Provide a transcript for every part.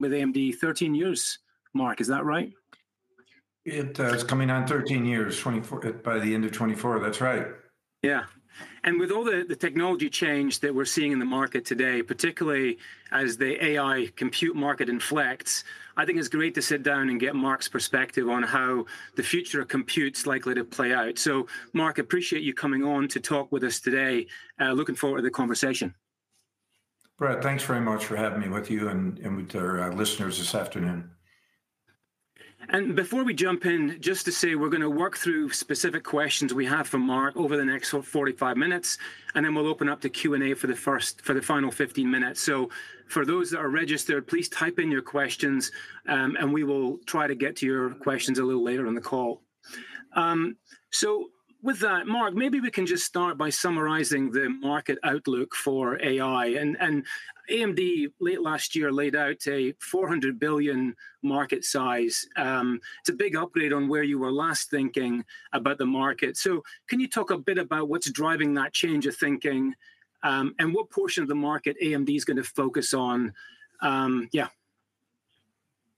With AMD 13 years, Mark? Is that right? It's coming on 13 years, 24— by the end of 2024. That's right. Yeah. With all the technology change that we're seeing in the market today, particularly as the AI compute market inflects, I think it's great to sit down and get Mark's perspective on how the future of compute's likely to play out. So, Mark, appreciate you coming on to talk with us today. Looking forward to the conversation. Brett, thanks very much for having me with you and with our listeners this afternoon. Before we jump in, just to say we're gonna work through specific questions we have from Mark over the next 45 minutes, and then we'll open up to Q&A for the final 15 minutes. For those that are registered, please type in your questions, and we will try to get to your questions a little later on the call. So with that, Mark, maybe we can just start by summarizing the market outlook for AI. AMD late last year laid out a $400 billion market size. It's a big upgrade on where you were last thinking about the market. So can you talk a bit about what's driving that change of thinking, and what portion of the market AMD's gonna focus on? Yeah.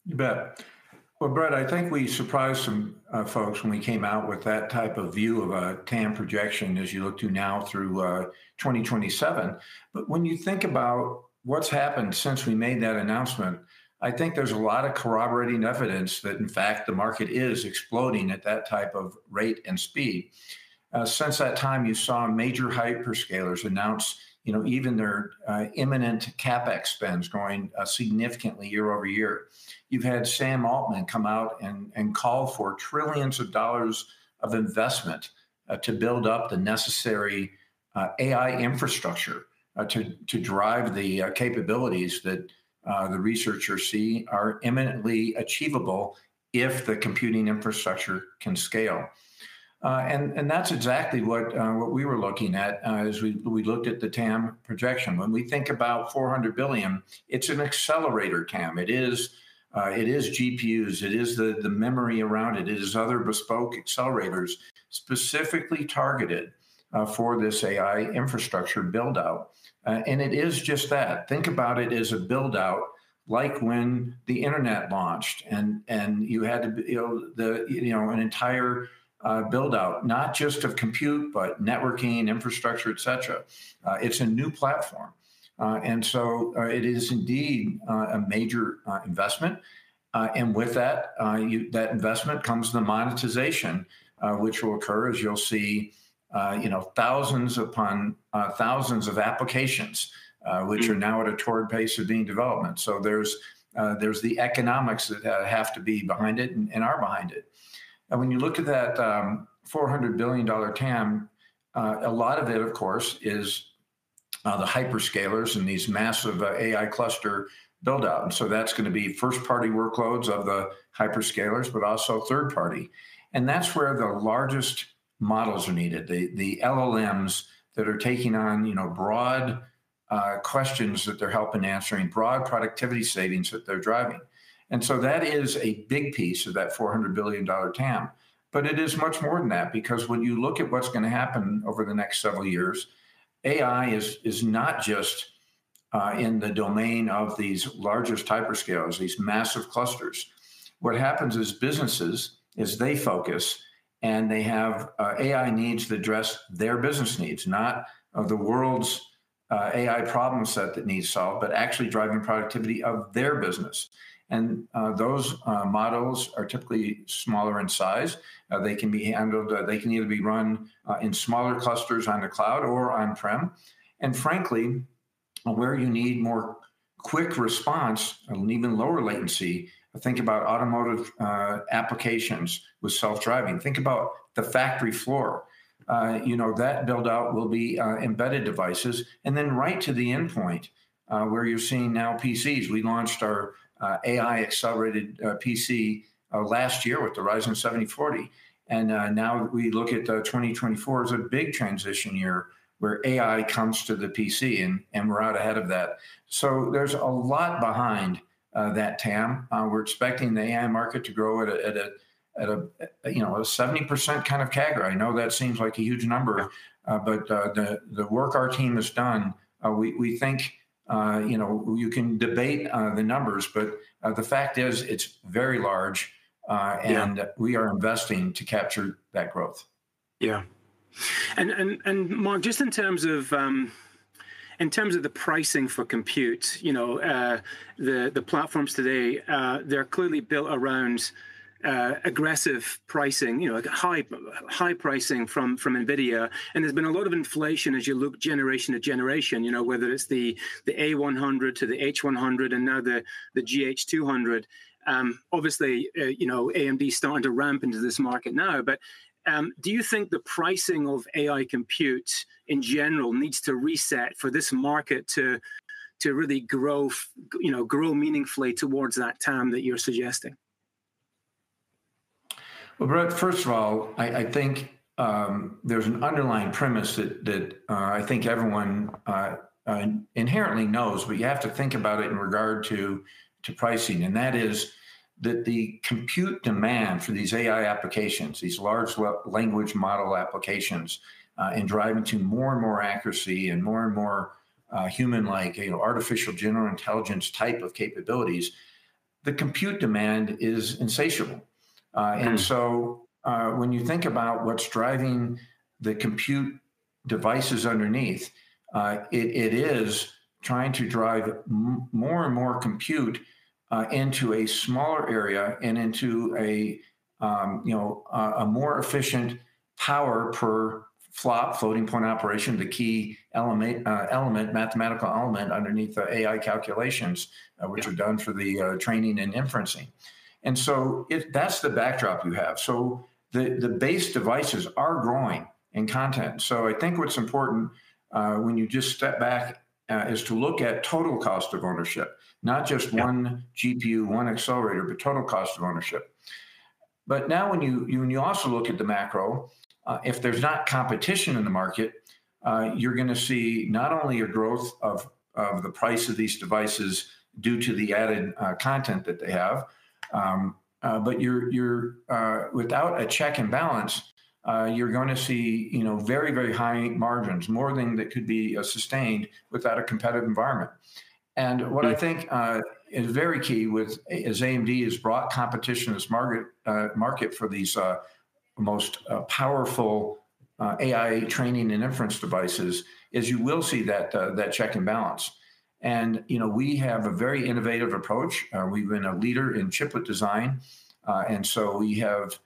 You bet. Well, Brett, I think we surprised some folks when we came out with that type of view of a TAM projection as you look to now through 2027. But when you think about what's happened since we made that announcement, I think there's a lot of corroborating evidence that, in fact, the market is exploding at that type of rate and speed. Since that time, you saw major hyperscalers announce, you know, even their imminent CapEx spends going significantly year-over-year. You've had Sam Altman come out and call for trillions of dollars of investment to build up the necessary AI infrastructure to drive the capabilities that the researchers see are imminently achievable if the computing infrastructure can scale. And that's exactly what we were looking at as we looked at the TAM projection. When we think about $400 billion, it's an accelerator TAM. It is GPUs. It is the memory around it. It is other bespoke accelerators specifically targeted for this AI infrastructure buildout. And it is just that. Think about it as a buildout like when the internet launched and you had to, you know, you know, an entire buildout, not just of compute but networking, infrastructure, etc. It's a new platform. And so it is indeed a major investment. And with that, that investment comes the monetization, which will occur, as you'll see, you know, thousands upon thousands of applications, which are now at a torrid pace of being developed. So there's the economics that have to be behind it and are behind it. And when you look at that $400 billion TAM, a lot of it, of course, is the hyperscalers and these massive AI cluster buildout. And so that's gonna be first-party workloads of the hyperscalers but also third-party. And that's where the largest models are needed, the LLMs that are taking on, you know, broad questions that they're helping answer, broad productivity savings that they're driving. And so that is a big piece of that $400 billion TAM. But it is much more than that because when you look at what's gonna happen over the next several years, AI is not just in the domain of these largest hyperscalers, these massive clusters. What happens is businesses as they focus and they have AI needs that address their business needs, not the world's AI problem set that needs solved but actually driving productivity of their business. And those models are typically smaller in size. They can be handled, they can either be run in smaller clusters on the cloud or on-prem. And frankly, where you need more quick response and even lower latency, think about automotive applications with self-driving. Think about the factory floor. You know, that buildout will be embedded devices. And then right to the endpoint, where you're seeing now PCs. We launched our AI-accelerated PC last year with the Ryzen 7040. And now we look at 2024 as a big transition year where AI comes to the PC, and we're out ahead of that. So there's a lot behind that TAM. We're expecting the AI market to grow at a—you know—a 70% kind of CAGR. I know that seems like a huge number, but the work our team has done, we think, you know, you can debate the numbers. But the fact is it's very large, and we are investing to capture that growth. Yeah. And, Mark, just in terms of the pricing for compute, you know, the platforms today, they're clearly built around aggressive pricing, you know, high pricing from NVIDIA. And there's been a lot of inflation as you look generation to generation, you know, whether it's the A100 to the H100 and now the GH200. Obviously, you know, AMD's starting to ramp into this market now. But, do you think the pricing of AI compute in general needs to reset for this market to really grow, you know, grow meaningfully towards that TAM that you're suggesting? Well, Brett, first of all, I think there's an underlying premise that I think everyone inherently knows. But you have to think about it in regard to pricing. And that is that the compute demand for these AI applications, these large language model applications, and driving to more and more accuracy and more and more human-like, you know, artificial general intelligence type of capabilities, the compute demand is insatiable. And so, when you think about what's driving the compute devices underneath, it is trying to drive more and more compute into a smaller area and into a, you know, a more efficient power per flop, floating point operation, the key element mathematical element underneath the AI calculations, which are done for the training and inferencing. And so that's the backdrop you have. So the base devices are growing in content. So I think what's important, when you just step back, is to look at total cost of ownership, not just one GPU, one accelerator, but total cost of ownership. But now when you, you when you also look at the macro, if there's not competition in the market, you're gonna see not only a growth of, of the price of these devices due to the added content that they have, but you're, you're, without a check and balance, you're gonna see, you know, very, very high margins, more than that could be sustained without a competitive environment. And what I think is very key with as AMD has brought competition in this market, market for these most powerful AI training and inference devices is you will see that check and balance. And you know, we have a very innovative approach. We've been a leader in chiplet design. And so we have,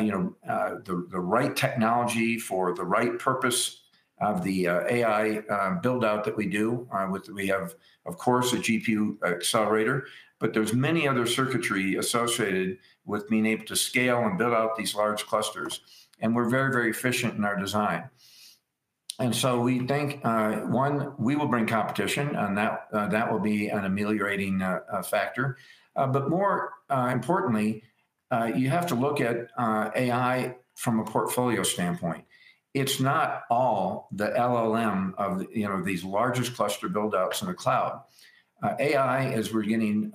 you know, the right technology for the right purpose of the AI buildout that we do with. We have, of course, a GPU accelerator. But there's many other circuitry associated with being able to scale and build out these large clusters. And we're very, very efficient in our design. And so we think, one, we will bring competition. And that will be an ameliorating factor. But more importantly, you have to look at AI from a portfolio standpoint. It's not all the LLM of the, you know, these largest cluster buildouts in the cloud. AI, as we're getting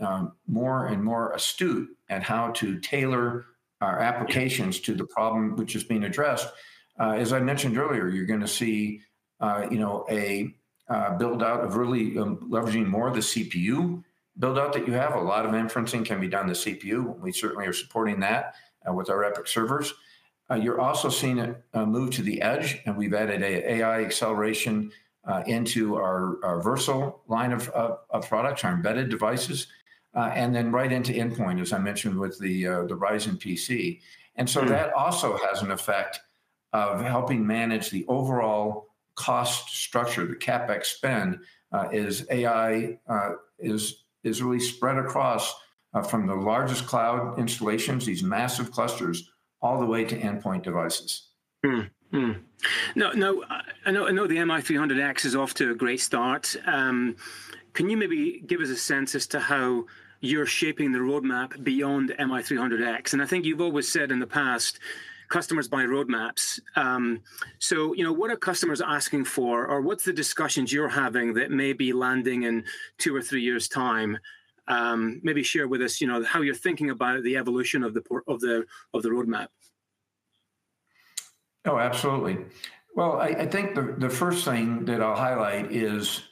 more and more astute at how to tailor our applications to the problem which is being addressed, as I mentioned earlier, you're gonna see, you know, a buildout of really leveraging more of the CPU buildout that you have. A lot of inferencing can be done in the CPU. We certainly are supporting that, with our EPYC servers. You're also seeing it move to the edge. And we've added an AI acceleration into our Versal line of products, our embedded devices, and then right into the endpoint, as I mentioned, with the Ryzen PC. And so that also has an effect of helping manage the overall cost structure, the CapEx spend, as AI is really spread across, from the largest cloud installations, these massive clusters, all the way to endpoint devices. No, no. I, I know I know the MI300X is off to a great start. Can you maybe give us a sense as to how you're shaping the roadmap beyond MI300X? And I think you've always said in the past, "Customers buy roadmaps." So, you know, what are customers asking for or what's the discussions you're having that may be landing in two or three years' time? Maybe share with us, you know, how you're thinking about the evolution of the roadmap. Oh, absolutely. Well, I, I think the, the first thing that I'll highlight is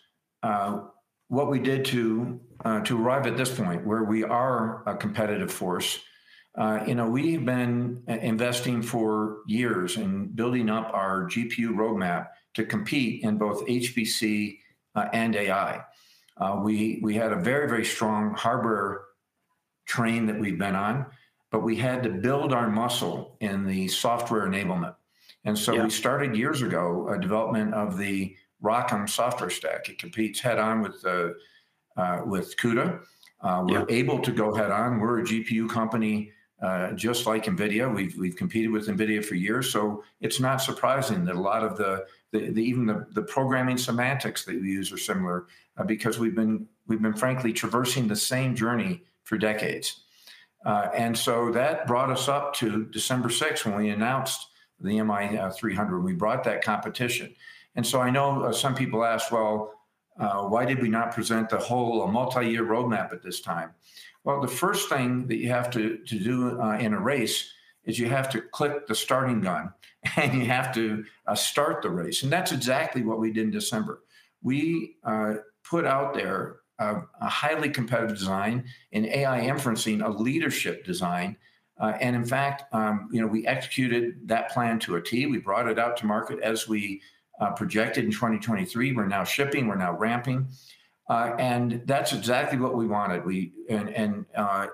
what we did to, to arrive at this point where we are a competitive force. You know, we have been investing for years in building up our GPU roadmap to compete in both HPC and AI. We had a very, very strong hardware train that we've been on. But we had to build our muscle in the software enablement. And so we started years ago development of the ROCm software stack. It competes head-on with CUDA. We're able to go head-on. We're a GPU company, just like NVIDIA. We've competed with NVIDIA for years. So it's not surprising that a lot of the even the programming semantics that we use are similar, because we've been, frankly, traversing the same journey for decades. And so that brought us up to December 6th when we announced the MI300. We brought that competition. And so I know, some people ask, "Well, why did we not present the whole multi-year roadmap at this time?" Well, the first thing that you have to do in a race is you have to click the starting gun. And you have to start the race. And that's exactly what we did in December. We put out there a highly competitive design in AI inferencing, a leadership design. And in fact, you know, we executed that plan to a T. We brought it out to market as we projected in 2023. We're now shipping. We're now ramping. And that's exactly what we wanted. And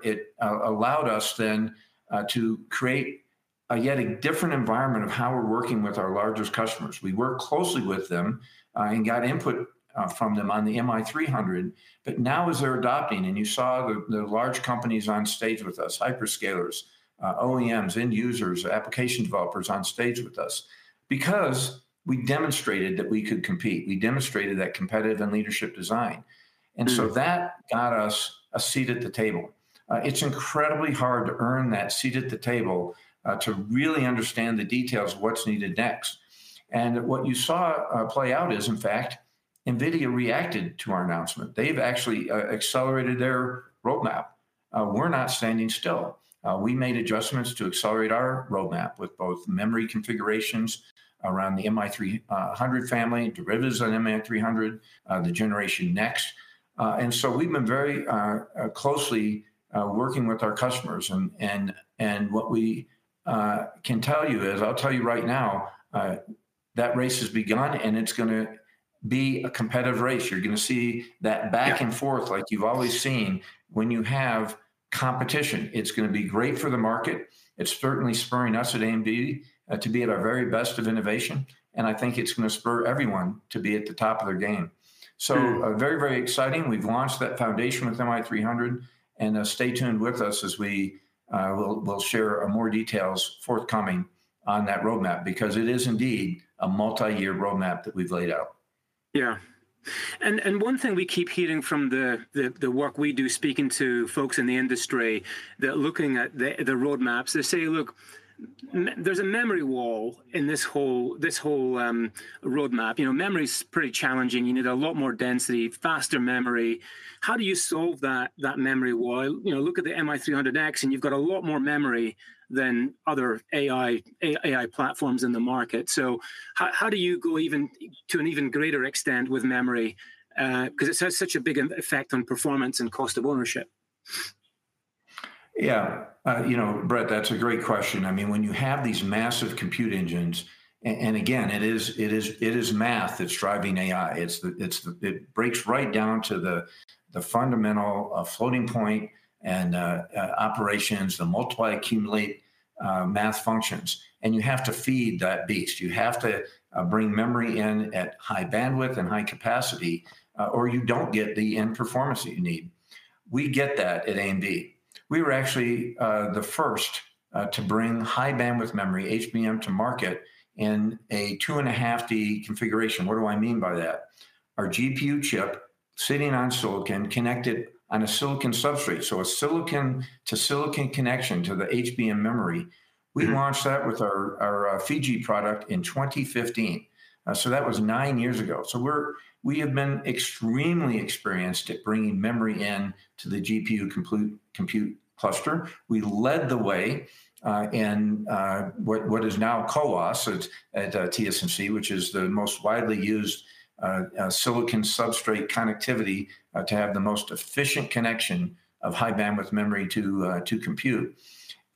it allowed us then to create yet a different environment of how we're working with our largest customers. We worked closely with them, and got input from them on the MI300. But now as they're adopting and you saw the large companies on stage with us, hyperscalers, OEMs, end users, application developers on stage with us because we demonstrated that we could compete. We demonstrated that competitive and leadership design. And so that got us a seat at the table. It's incredibly hard to earn that seat at the table, to really understand the details of what's needed next. And what you saw play out is, in fact, NVIDIA reacted to our announcement. They've actually accelerated their roadmap. We're not standing still. We made adjustments to accelerate our roadmap with both memory configurations around the MI300 family, derivatives on MI300, the generation next. And so we've been very closely working with our customers. And what we can tell you is I'll tell you right now, that race has begun. And it's gonna be a competitive race. You're gonna see that back and forth like you've always seen when you have competition. It's gonna be great for the market. It's certainly spurring us at AMD to be at our very best of innovation. And I think it's gonna spur everyone to be at the top of their game. So, very, very exciting. We've launched that foundation with MI300. And stay tuned with us as we'll share more details forthcoming on that roadmap because it is indeed a multi-year roadmap that we've laid out. Yeah. And one thing we keep hearing from the work we do speaking to folks in the industry that looking at the roadmaps, they say, "Look, there's a memory wall in this whole roadmap." You know, memory's pretty challenging. You need a lot more density, faster memory. How do you solve that memory wall? You know, look at the MI300X. And you've got a lot more memory than other AI platforms in the market. So how do you go even to an even greater extent with memory, 'cause it has such a big effect on performance and cost of ownership? Yeah. You know, Brett, that's a great question. I mean, when you have these massive compute engines and again, it is math that's driving AI. It's the it breaks right down to the fundamental floating point and operations, the multiply-accumulate math functions. And you have to feed that beast. You have to bring memory in at high bandwidth and high capacity, or you don't get the end performance that you need. We get that at AMD. We were actually the first to bring high bandwidth memory, HBM, to market in a 2.5D configuration. What do I mean by that? Our GPU chip sitting on silicon connected on a silicon substrate. So a silicon-to-silicon connection to the HBM memory. We launched that with our Fiji product in 2015. So that was nine years ago. So we have been extremely experienced at bringing memory into the GPU compute cluster. We led the way in what is now CoWoS at TSMC, which is the most widely used silicon substrate connectivity to have the most efficient connection of high bandwidth memory to compute.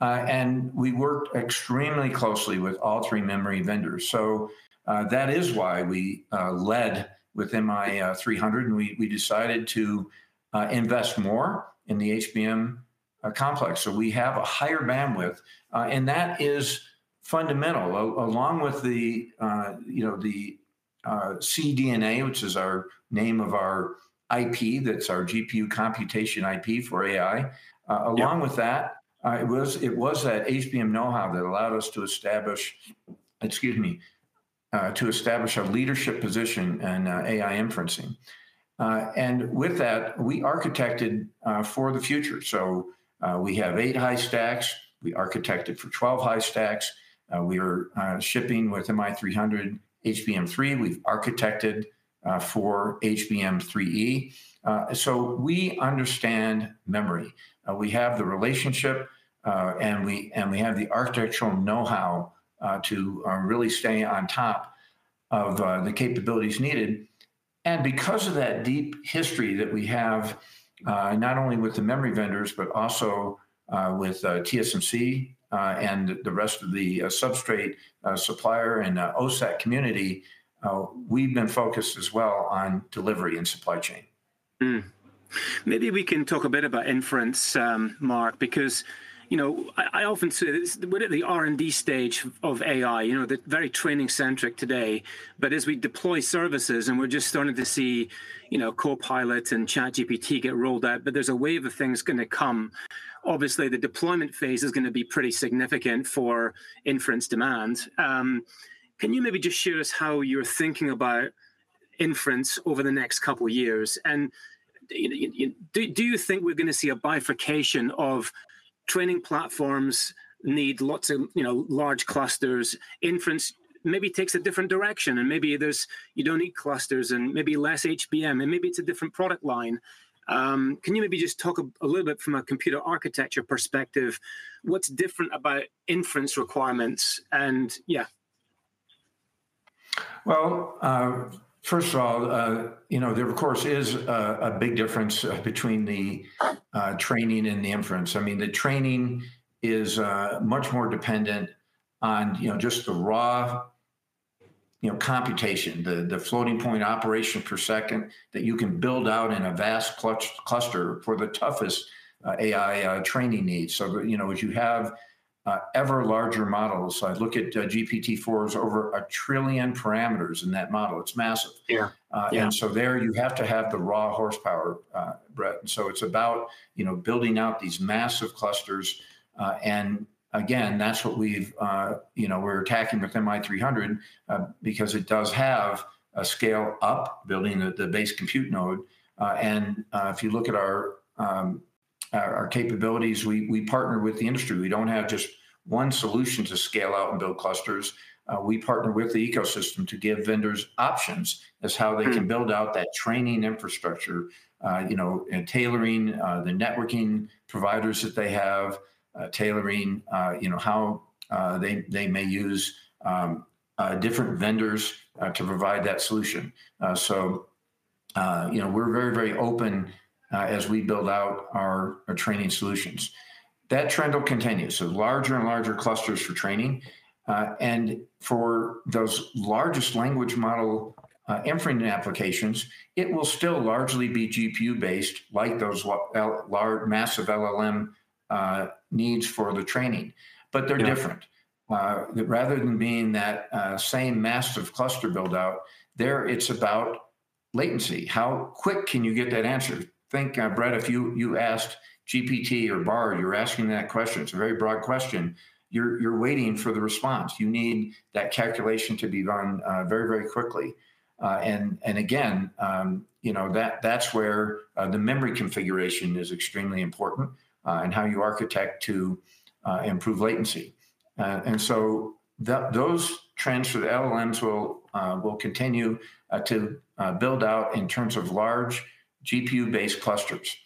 And we worked extremely closely with all three memory vendors. So, that is why we led with MI300. And we decided to invest more in the HBM complex so we have a higher bandwidth. And that is fundamental along with the, you know, the CDNA, which is our name of our IP. That's our GPU computation IP for AI. Along with that, it was that HBM know-how that allowed us to establish, excuse me, a leadership position in AI inferencing. And with that, we architected for the future. So, we have eight high stacks. We architected for 12 high stacks. We are shipping with MI300, HBM3. We've architected for HBM3E. So we understand memory. We have the relationship. And we have the architectural know-how to really stay on top of the capabilities needed. And because of that deep history that we have, not only with the memory vendors but also with TSMC and the rest of the substrate, supplier and OSAT community, we've been focused as well on delivery and supply chain. Maybe we can talk a bit about inference, Mark, because, you know, I, I often say this. We're at the R&D stage of AI, you know, that very training-centric today. But as we deploy services and we're just starting to see, you know, Copilot and ChatGPT get rolled out, but there's a wave of things gonna come. Obviously, the deployment phase is gonna be pretty significant for inference demand. Can you maybe just share us how you're thinking about inference over the next couple of years? And, you know, y-you know, do, do you think we're gonna see a bifurcation of training platforms need lots of, you know, large clusters? Inference maybe takes a different direction. And maybe there's you don't need clusters and maybe less HBM. And maybe it's a different product line. Can you maybe just talk a, a little bit from a computer architecture perspective? What's different about inference requirements? And yeah. Well, first of all, you know, there, of course, is a big difference between the training and the inference. I mean, the training is much more dependent on, you know, just the raw, you know, computation, the floating point operation per second that you can build out in a vast clutch cluster for the toughest AI training needs. So, you know, as you have ever larger models, I look at GPT-4s over a trillion parameters in that model. It's massive. Yeah. And so there, you have to have the raw horsepower, Brett. So it's about, you know, building out these massive clusters. Again, that's what we've, you know, we're attacking with MI300, because it does have a scale-up building the, the base compute node. If you look at our, our capabilities, we, we partner with the industry. We don't have just one solution to scale out and build clusters. We partner with the ecosystem to give vendors options as how they can build out that training infrastructure, you know, tailoring the networking providers that they have, tailoring, you know, how they, they may use different vendors to provide that solution. So, you know, we're very, very open as we build out our, our training solutions. That trend will continue. So larger and larger clusters for training. For those large language model inference applications, it will still largely be GPU-based like those large massive LLM needs for the training. But they're different. Rather than being that same massive cluster buildout there, it's about latency. How quick can you get that answer? Think, Brett, if you asked GPT or Bard that question. It's a very broad question. You're waiting for the response. You need that calculation to be done very, very quickly. And again, you know, that's where the memory configuration is extremely important, and how you architect to improve latency. And so those transformer LLMs will continue to build out in terms of large GPU-based clusters.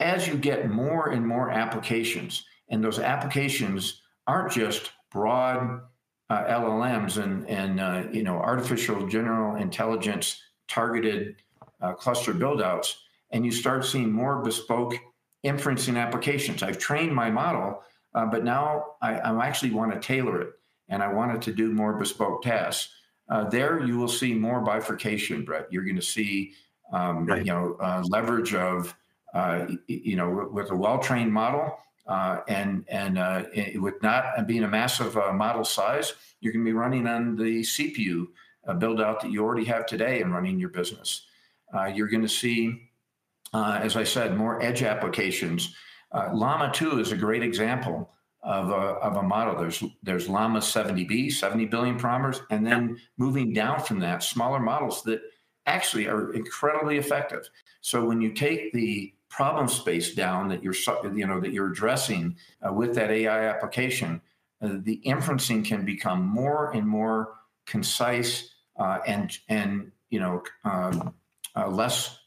As you get more and more applications and those applications aren't just broad LLMs and, you know, artificial general intelligence targeted cluster buildouts, and you start seeing more bespoke inferencing applications. I've trained my model, but now I actually wanna tailor it. And I want it to do more bespoke tasks. There you will see more bifurcation, Brett. You're gonna see, you know, leverage of, you know, with a well-trained model, and with not being a massive model size, you're gonna be running on the CPU buildout that you already have today and running your business. You're gonna see, as I said, more edge applications. Llama 2 is a great example of a model. There's Llama 2 70B, 70 billion parameters. And then moving down from that, smaller models that actually are incredibly effective. So when you take the problem space down that you're, you know, that you're addressing with that AI application, the inferencing can become more and more concise, and, you know, less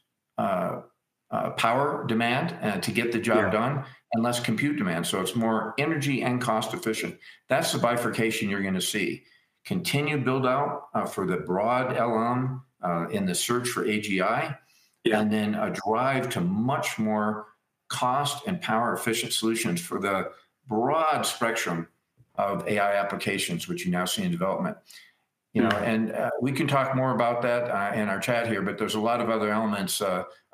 power demand to get the job done and less compute demand. It's more energy and cost efficient. That's the bifurcation you're gonna see. Continue buildout, for the broad LLM, in the search for AGI. And then a drive to much more cost and power-efficient solutions for the broad spectrum of AI applications, which you now see in development. You know, and we can talk more about that in our chat here. But there's a lot of other elements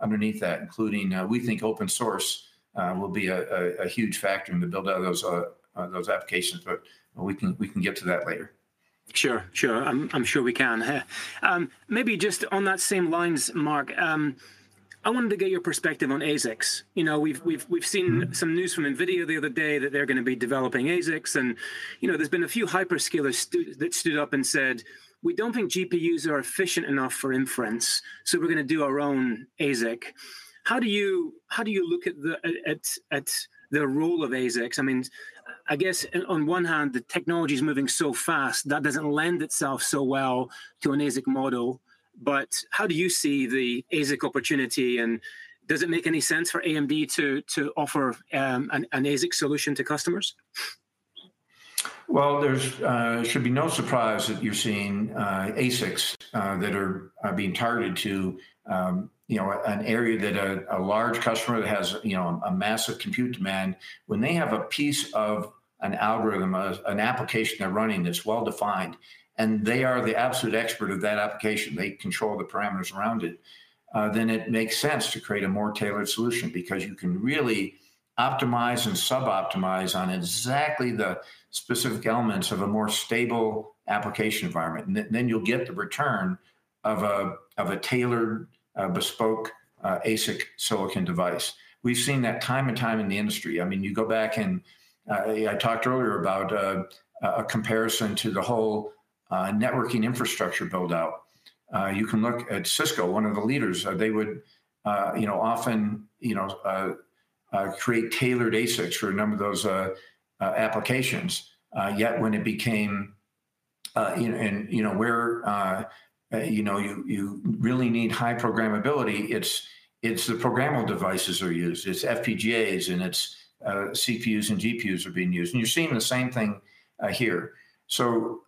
underneath that, including we think open source will be a huge factor in the buildout of those applications. But we can get to that later. Sure. I'm sure we can. Maybe just on that same lines, Mark, I wanted to get your perspective on ASICs. You know, we've seen some news from NVIDIA the other day that they're gonna be developing ASICs. And, you know, there's been a few hyperscalers that stood up and said, "We don't think GPUs are efficient enough for inference. So we're gonna do our own ASIC." How do you look at the role of ASICs? I mean, I guess, on one hand, the technology's moving so fast. That doesn't lend itself so well to an ASIC model. But how do you see the ASIC opportunity? And does it make any sense for AMD to offer an ASIC solution to customers? Well, there should be no surprise that you're seeing ASICs that are being targeted to, you know, an area that a large customer that has, you know, a massive compute demand, when they have a piece of an algorithm, an application they're running that's well-defined, and they are the absolute expert of that application. They control the parameters around it, then it makes sense to create a more tailored solution because you can really optimize and suboptimize on exactly the specific elements of a more stable application environment. And then you'll get the return of a tailored, bespoke, ASIC silicon device. We've seen that time and time again in the industry. I mean, you go back and I talked earlier about a comparison to the whole networking infrastructure buildout. You can look at Cisco, one of the leaders. They would, you know, often, you know, create tailored ASICs for a number of those applications. Yet when it became, you know, and, you know, where you really need high programmability, it's the programmable devices that are used. It's FPGAs. And it's CPUs and GPUs that are being used. And you're seeing the same thing here. So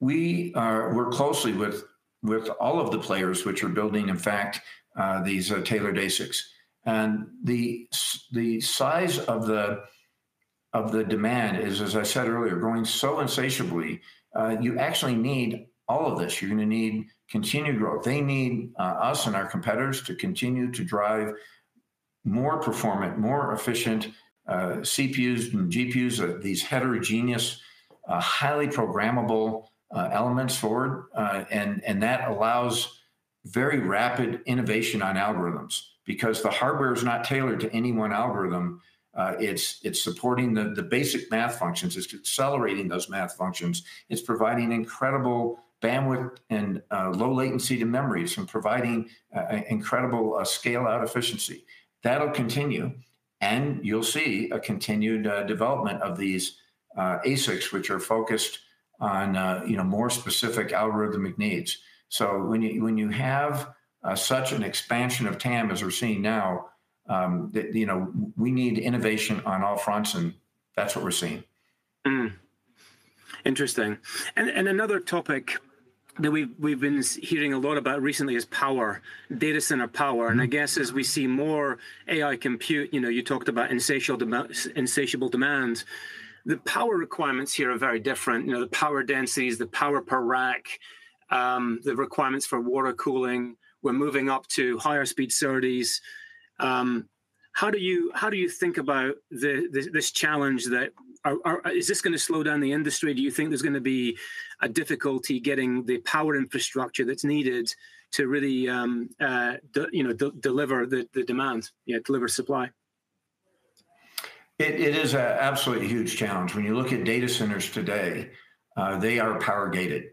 we work closely with all of the players which are building, in fact, these tailored ASICs. And the size of the demand is, as I said earlier, growing so insatiably. You actually need all of this. You're gonna need continued growth. They need us and our competitors to continue to drive more performant, more efficient CPUs and GPUs, these heterogeneous, highly programmable elements forward. And that allows very rapid innovation on algorithms because the hardware is not tailored to any one algorithm. It's supporting the basic math functions. It's accelerating those math functions. It's providing incredible bandwidth and low latency to memories and providing an incredible scale-out efficiency. That'll continue. And you'll see a continued development of these ASICs which are focused on, you know, more specific algorithmic needs. So when you have such an expansion of TAM as we're seeing now, that, you know, we need innovation on all fronts. And that's what we're seeing. Interesting. Another topic that we've been hearing a lot about recently is power, data center power. I guess as we see more AI compute, you know, you talked about insatiable demands. The power requirements here are very different. You know, the power densities, the power per rack, the requirements for water cooling. We're moving up to higher-speed SerDes. How do you think about the, this challenge that is, is this gonna slow down the industry? Do you think there's gonna be a difficulty getting the power infrastructure that's needed to really, you know, deliver the, the demands, you know, deliver supply? It is an absolutely huge challenge. When you look at data centers today, they are power-gated.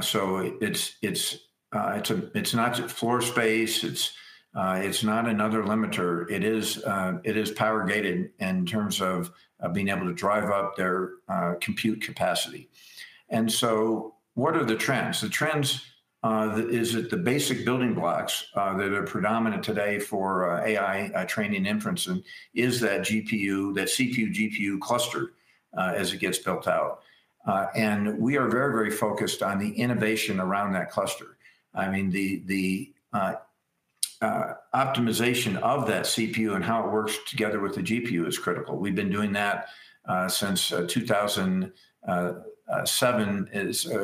So it's not floor space. It's not another limiter. It is power-gated in terms of being able to drive up their compute capacity. And so what are the trends? The trends is that the basic building blocks that are predominant today for AI training and inference is that GPU, that CPU/GPU cluster, as it gets built out. And we are very, very focused on the innovation around that cluster. I mean, the optimization of that CPU and how it works together with the GPU is critical. We've been doing that since 2007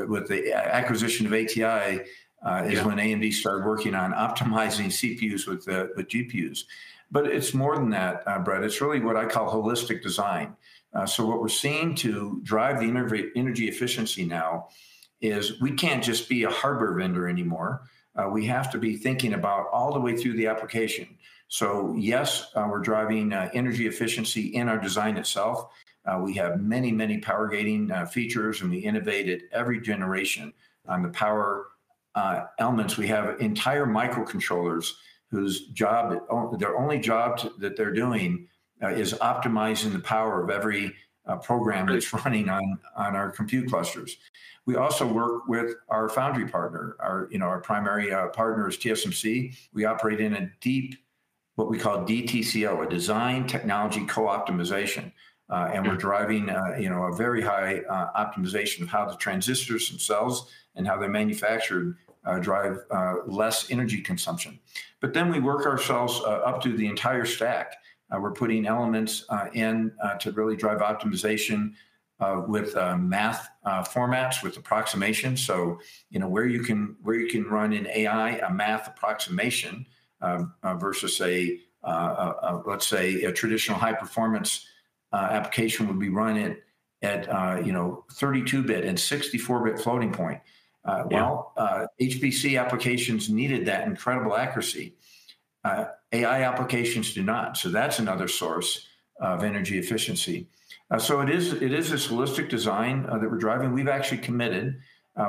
with the acquisition of ATI, is when AMD started working on optimizing CPUs with the GPUs. But it's more than that, Brett. It's really what I call holistic design. So what we're seeing to drive the inherent energy efficiency now is we can't just be a hardware vendor anymore. We have to be thinking about all the way through the application. So yes, we're driving energy efficiency in our design itself. We have many, many power-gating features. And we innovate at every generation on the power elements. We have entire microcontrollers whose job, their only job that they're doing, is optimizing the power of every program that's running on our compute clusters. We also work with our foundry partner. Our, you know, our primary partner is TSMC. We operate in a deep what we call DTCO, a design technology co-optimization. And we're driving, you know, a very high optimization of how the transistors themselves and how they're manufactured drive less energy consumption. But then we work ourselves up to the entire stack. We're putting elements in to really drive optimization with math formats with approximations. So, you know, where you can run in AI a math approximation, versus, say, let's say a traditional high-performance application would be run at, you know, 32-bit and 64-bit floating point. Well, HPC applications needed that incredible accuracy. AI applications do not. So that's another source of energy efficiency. So it is this holistic design that we're driving. We've actually committed,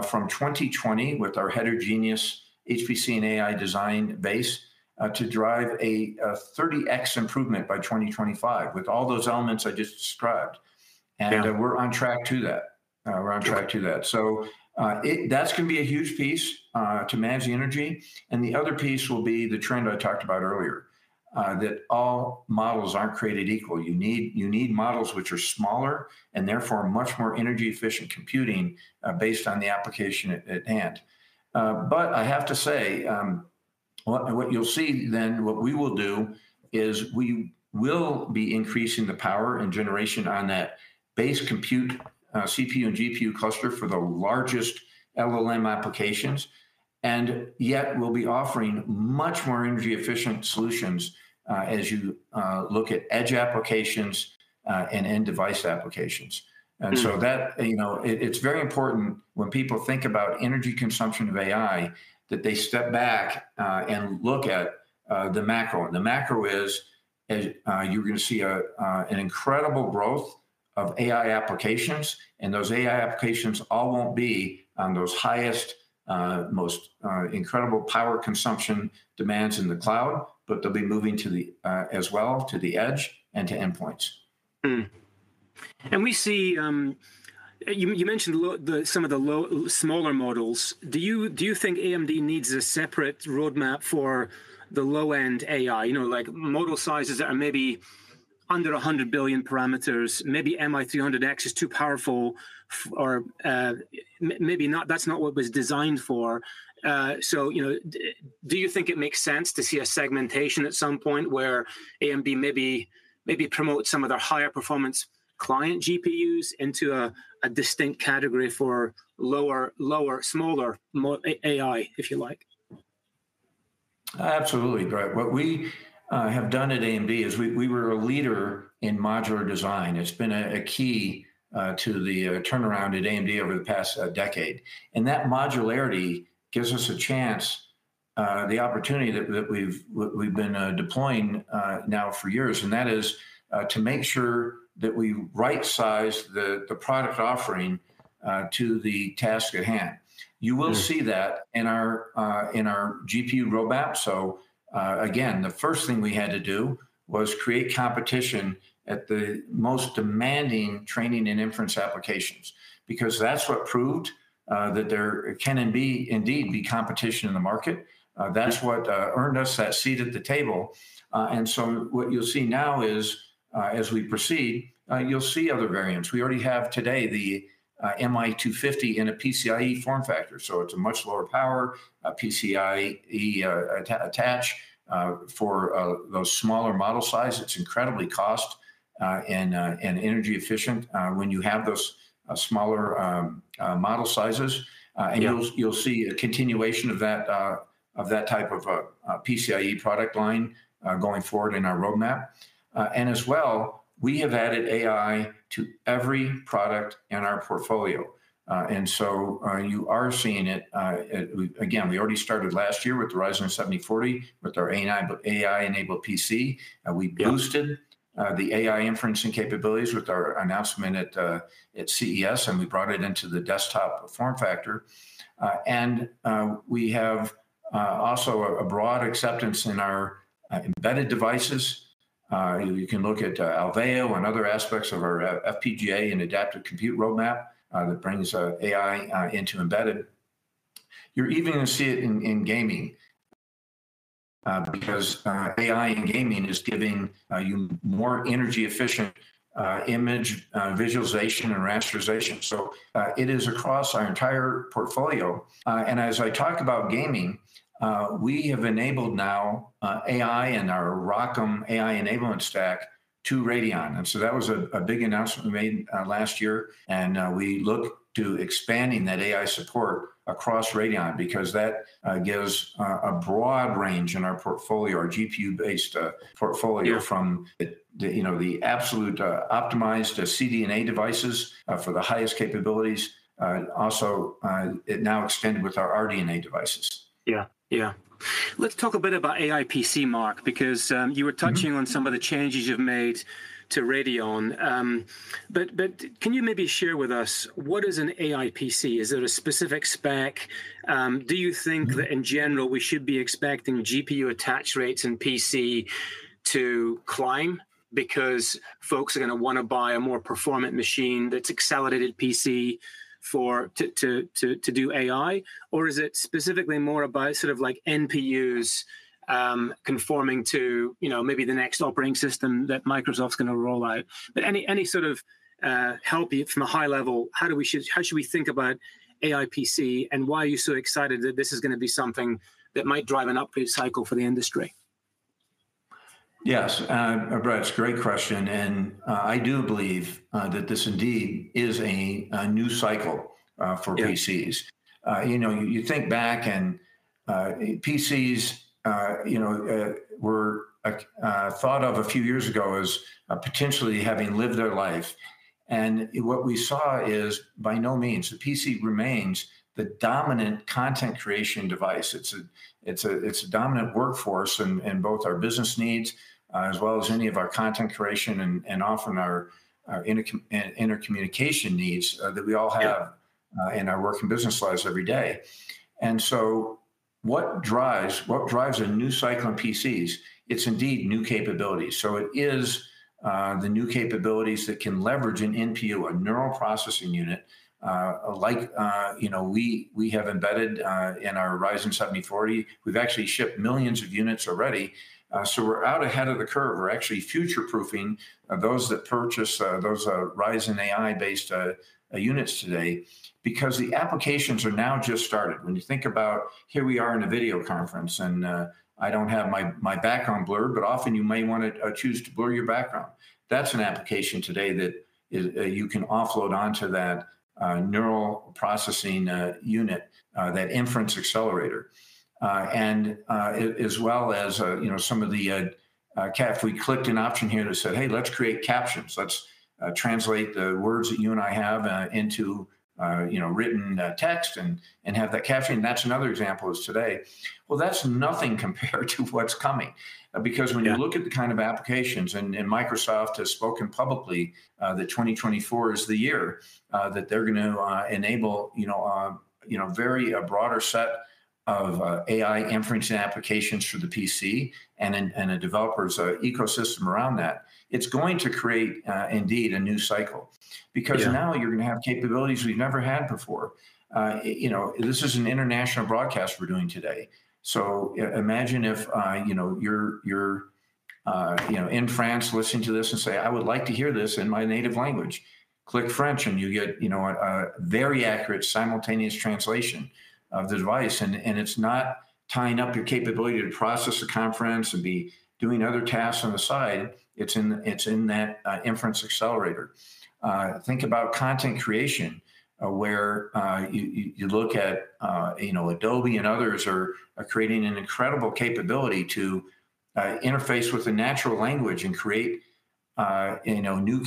from 2020 with our heterogeneous HPC and AI design base, to drive a 30x improvement by 2025 with all those elements I just described. And, we're on track to that. We're on track to that. Yeah. So, it's gonna be a huge piece to manage the energy. And the other piece will be the trend I talked about earlier, that all models aren't created equal. You need models which are smaller and therefore much more energy-efficient computing, based on the application at hand. But I have to say, what you'll see then, what we will do is we will be increasing the power and generation on that base compute, CPU and GPU cluster for the largest LLM applications. And yet, we'll be offering much more energy-efficient solutions, as you look at edge applications, and end-device applications. And so that, you know, it's very important when people think about energy consumption of AI that they step back and look at the macro. And the macro is, as you're gonna see, an incredible growth of AI applications. And those AI applications all won't be on those highest, most incredible power consumption demands in the cloud. But they'll be moving to the edge as well, to the endpoints. We see, you mentioned some of the low, smaller models. Do you think AMD needs a separate roadmap for the low-end AI? You know, like, model sizes that are maybe under 100 billion parameters. Maybe MI300X is too powerful for, maybe not, that's not what it was designed for. So, you know, do you think it makes sense to see a segmentation at some point where AMD maybe promotes some of their higher-performance client GPUs into a distinct category for lower, smaller model AI, if you like? Absolutely, Brett. What we have done at AMD is we were a leader in modular design. It's been a key to the turnaround at AMD over the past decade. And that modularity gives us a chance, the opportunity that we've been deploying now for years. And that is to make sure that we right-size the product offering to the task at hand. You will see that in our GPU roadmap. So, again, the first thing we had to do was create competition at the most demanding training and inference applications because that's what proved that there can, indeed, be competition in the market. That's what earned us that seat at the table. And so what you'll see now is, as we proceed, you'll see other variants. We already have today the MI250 in a PCIe form factor. So it's a much lower power, PCIe data-attach, for those smaller model sizes. It's incredibly cost- and energy-efficient when you have those smaller model sizes. And you'll, you'll see a continuation of that, of that type of PCIe product line, going forward in our roadmap. As well, we have added AI to every product in our portfolio. You are seeing it, that we again, we already started last year with the Ryzen 7040 with our AI-enabled PC. We boosted the AI inferencing capabilities with our announcement at CES. And we brought it into the desktop form factor. We have also a broad acceptance in our embedded devices. You can look at Alveo and other aspects of our FPGA and adaptive compute roadmap that brings AI into embedded. You're even gonna see it in gaming, because AI in gaming is giving you more energy-efficient image visualization and rasterization. So, it is across our entire portfolio. And as I talk about gaming, we have enabled now AI in our ROCm AI enablement stack to Radeon. And so that was a big announcement we made last year. And we look to expanding that AI support across Radeon because that gives a broad range in our portfolio, our GPU-based portfolio. From the, you know, the absolute optimized CDNA devices for the highest capabilities. Also, it now extended with our RDNA devices. Yeah. Yeah. Let's talk a bit about AI PC, Mark, because you were touching on some of the changes you've made to Radeon. But can you maybe share with us what is an AI PC? Is there a specific spec? Do you think that, in general, we should be expecting GPU attach rates in PC to climb because folks are gonna wanna buy a more performant machine that's accelerated PC to do AI? Or is it specifically more about sort of like NPUs, conforming to, you know, maybe the next operating system that Microsoft's gonna roll out? But any sort of help from a high level, how should we think about AI PC? And why are you so excited that this is gonna be something that might drive an upgrade cycle for the industry? Yes. Brett, it's a great question. I do believe that this indeed is a new cycle for PCs. You know, you think back and PCs, you know, were thought of a few years ago as potentially having lived their life. And what we saw is, by no means, the PC remains the dominant content creation device. It's a dominant workforce in both our business needs, as well as any of our content creation and often our intercommunication needs that we all have. In our work and business lives every day. So what drives a new cycle in PCs? It's indeed new capabilities. So it is, the new capabilities that can leverage an NPU, a neural processing unit, like, you know, we have embedded in our Ryzen 7040. We've actually shipped millions of units already. So we're out ahead of the curve. We're actually future-proofing those that purchase Ryzen AI-based units today because the applications are now just started. When you think about here we are in a video conference. And I don't have my background blurred. But often, you may want to choose to blur your background. That's an application today that is, you can offload onto that neural processing unit, that inference accelerator. And AI, as well as, you know, some of the AI we clicked an option here that said, "Hey, let's create captions. Let's translate the words that you and I have into, you know, written text and have that caption." And that's another example is today. Well, that's nothing compared to what's coming, because when you look at the kind of applications and Microsoft has spoken publicly that 2024 is the year that they're gonna enable, you know, very broader set of AI inference and applications for the PC and a developer's ecosystem around that, it's going to create, indeed, a new cycle. Because now, you're gonna have capabilities we've never had before. You know, this is an international broadcast we're doing today. So imagine if, you know, you're, you know, in France, listening to this and say, "I would like to hear this in my native language," click French. And you get, you know, a very accurate simultaneous translation of the device. And it's not tying up your capability to process a conference and be doing other tasks on the side. It's in that inference accelerator. Think about content creation, where you look at, you know, Adobe and others are creating an incredible capability to interface with the natural language and create, you know, new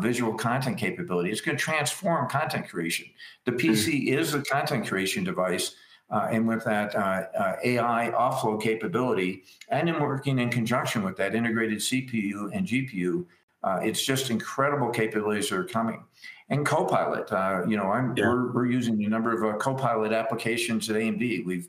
visual content capability. It's gonna transform content creation. The PC is a content creation device. With that, AI offload capability and then working in conjunction with that integrated CPU and GPU, it's just incredible capabilities that are coming. And Copilot, you know, I'm, we're using a number of Copilot applications at AMD. We're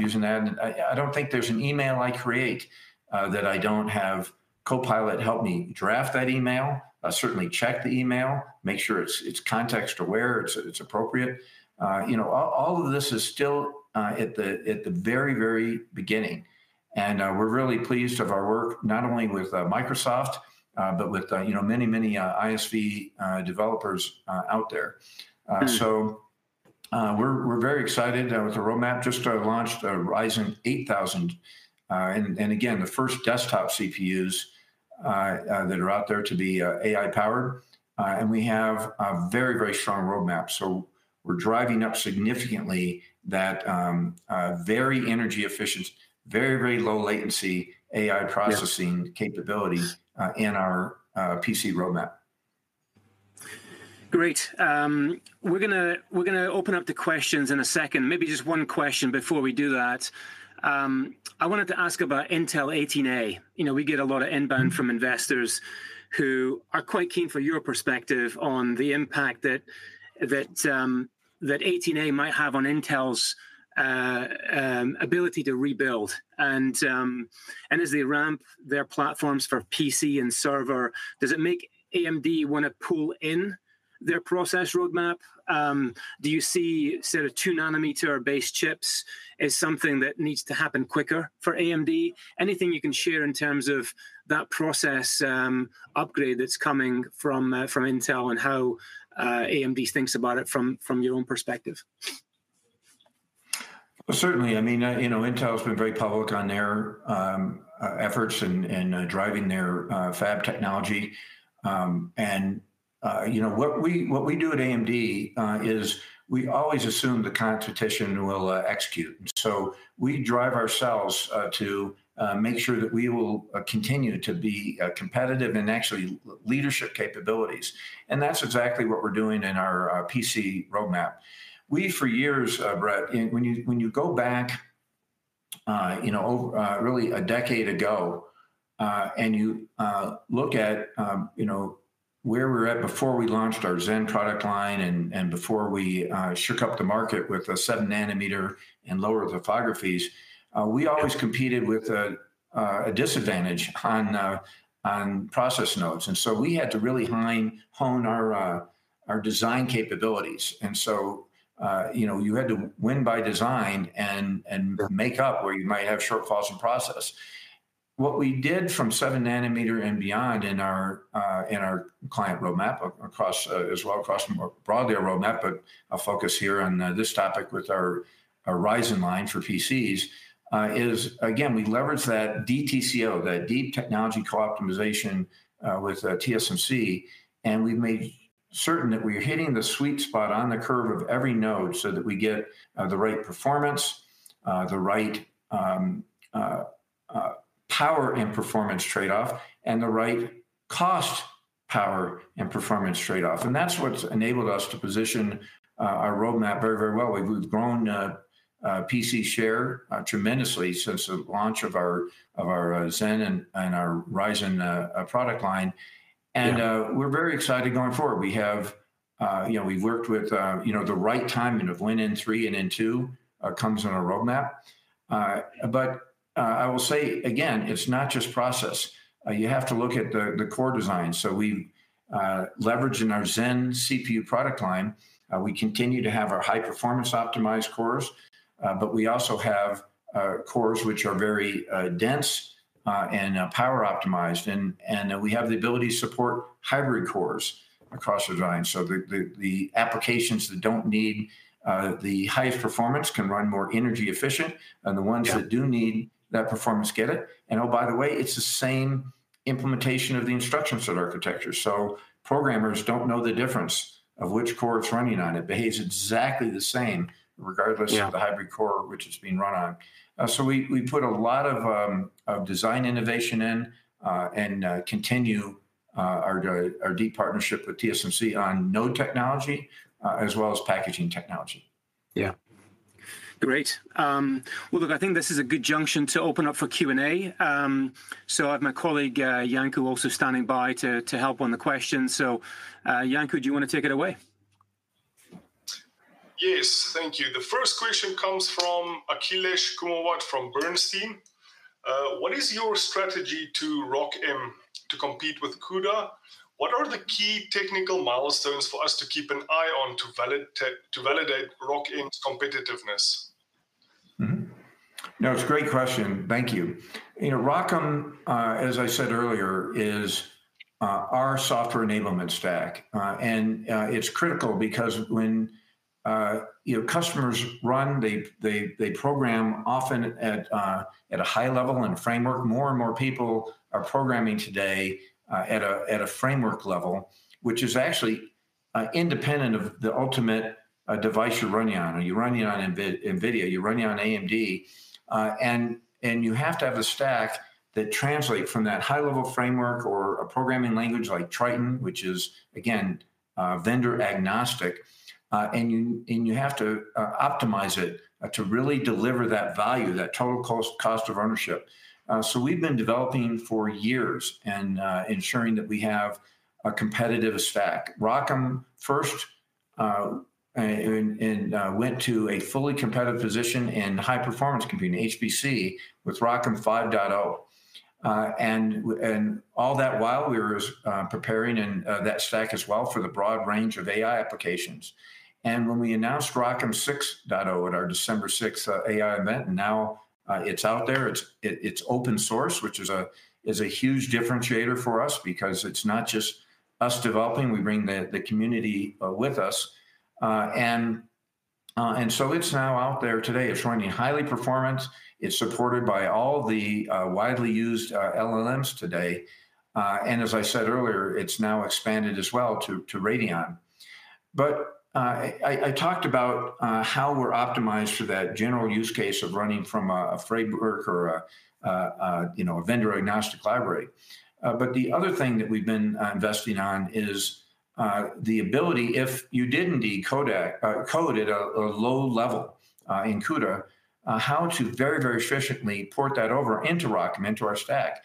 using that. And I don't think there's an email I create that I don't have Copilot help me draft that email, certainly check the email, make sure it's context-aware, it's appropriate. You know, all of this is still at the very, very beginning. And we're really pleased with our work not only with Microsoft, but with, you know, many ISV developers out there. So we're very excited with the roadmap, just launched a Ryzen 8000, and again, the first desktop CPUs that are out there to be AI-powered. And we have a very strong roadmap. So we're driving up significantly that very energy-efficient, very low-latency AI processing capability in our PC roadmap. Great. We're gonna open up the questions in a second. Maybe just one question before we do that. I wanted to ask about Intel 18A. You know, we get a lot of inbound from investors who are quite keen for your perspective on the impact that 18A might have on Intel's ability to rebuild. And as they ramp their platforms for PC and server, does it make AMD wanna pull in their process roadmap? Do you see sort of two-nanometer-based chips as something that needs to happen quicker for AMD? Anything you can share in terms of that process upgrade that's coming from Intel and how AMD thinks about it from your own perspective? Well, certainly. I mean, you know, Intel's been very public on their efforts and driving their fab technology. And you know, what we do at AMD is we always assume the competition will execute. And so we drive ourselves to make sure that we will continue to be competitive in actually leadership capabilities. And that's exactly what we're doing in our PC roadmap. We, for years, Brett, when you go back, you know, over really a decade ago, and you look at, you know, where we're at before we launched our Zen product line and before we shook up the market with the 7-nm and lower topographies, we always competed with a disadvantage on process nodes. And so we had to really hone our design capabilities. And so, you know, you had to win by design and make up where you might have shortfalls in process. What we did from 7-nm and beyond in our client roadmap across, as well across more broadly our roadmap, but I'll focus here on this topic with our Ryzen line for PCs, is again we leveraged that DTCO, that deep technology co-optimization, with TSMC. And we've made certain that we're hitting the sweet spot on the curve of every node so that we get the right performance, the right power and performance trade-off, and the right cost, power, and performance trade-off. And that's what's enabled us to position our roadmap very, very well. We've grown PC share tremendously since the launch of our Zen and our Ryzen product line. We're very excited going forward. We have, you know, we've worked with, you know, the right timing of when N3 and N2 comes on our roadmap. But I will say, again, it's not just process. You have to look at the core design. So we've leveraged in our Zen CPU product line, we continue to have our high-performance optimized cores. But we also have cores which are very dense and power-optimized. And we have the ability to support hybrid cores across our design. So the applications that don't need the highest performance can run more energy-efficient. And the ones that do need that performance, get it. And oh, by the way, it's the same implementation of the instruction set architecture. So programmers don't know the difference of which core it's running on. It behaves exactly the same regardless of the hybrid core which it's being run on. So we put a lot of design innovation in, and continue our deep partnership with TSMC on node technology, as well as packaging technology. Yeah. Great. Well, look, I think this is a good juncture to open up for Q&A. So I have my colleague, Yanku, also standing by to help on the questions. So, Yanku, do you wanna take it away? Yes. Thank you. The first question comes from Akhilesh Kumawat from Bernstein. What is your strategy to ROCm to compete with CUDA? What are the key technical milestones for us to keep an eye on to validate ROCm's competitiveness? Mm-hmm. No, it's a great question. Thank you. You know, ROCm, as I said earlier, is our software enablement stack. It's critical because when, you know, customers run, they program often at a high level and framework. More and more people are programming today, at a framework level which is actually independent of the ultimate device you're running on. Are you running on NVIDIA? You're running on AMD. You have to have a stack that translates from that high-level framework or a programming language like Triton, which is again vendor-agnostic. And you have to optimize it to really deliver that value, that total cost of ownership. We've been developing for years, ensuring that we have a competitive stack. ROCm first and went to a fully competitive position in high-performance computing, HPC, with ROCm 5.0. And all that while, we were preparing that stack as well for the broad range of AI applications. And when we announced ROCm 6.0 at our December 6th AI event, and now it's out there. It's open source, which is a huge differentiator for us because it's not just us developing. We bring the community with us. And so it's now out there today. It's running highly performant. It's supported by all the widely used LLMs today. And as I said earlier, it's now expanded as well to Radeon. But I talked about how we're optimized for that general use case of running from a framework or, you know, a vendor-agnostic library. But the other thing that we've been investing on is the ability if you did indeed write code at a low level in CUDA, how to very, very efficiently port that over into ROCm, into our stack.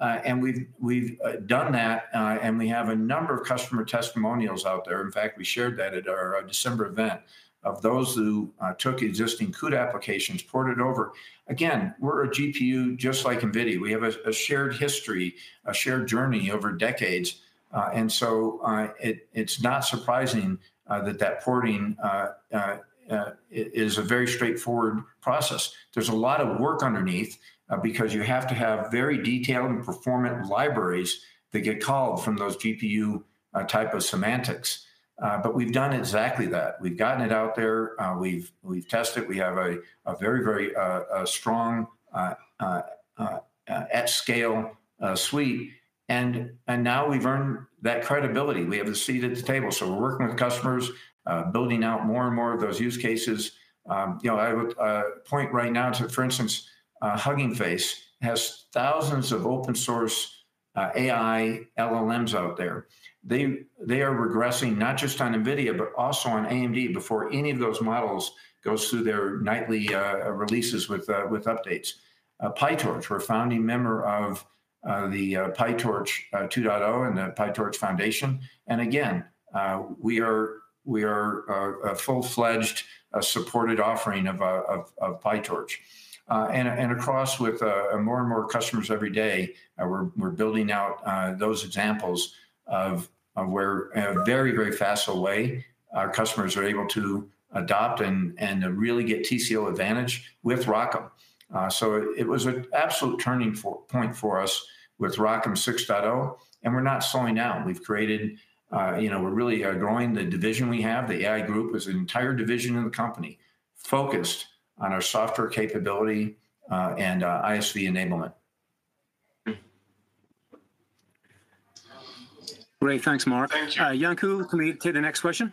And we've done that. And we have a number of customer testimonials out there. In fact, we shared that at our December event of those who took existing CUDA applications, ported over. Again, we're a GPU just like NVIDIA. We have a shared history, a shared journey over decades. And so, it's not surprising that that porting is a very straightforward process. There's a lot of work underneath, because you have to have very detailed and performant libraries that get called from those GPU-type semantics. But we've done exactly that. We've gotten it out there. We've tested it. We have a very, very strong at-scale suite. And now, we've earned that credibility. We have the seat at the table. So we're working with customers, building out more and more of those use cases. You know, I would point right now to, for instance, Hugging Face has thousands of open-source AI LLMs out there. They are regressing not just on NVIDIA but also on AMD before any of those models go through their nightly releases with updates. PyTorch, we're a founding member of the PyTorch 2.0 and the PyTorch Foundation. And again, we are a full-fledged supported offering of PyTorch. And with more and more customers every day, we're building out those examples of where very fast away customers are able to adopt and really get TCO advantage with ROCm. So it was an absolute turning point for us with ROCm 6.0. We're not slowing down. We've created, you know, we're really growing the division we have. The AI group is an entire division in the company focused on our software capability, and ISV enablement. Great. Thanks, Mark. Thank you. Yanku, can we take the next question?